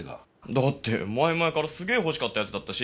だって前々からすげえ欲しかったやつだったし。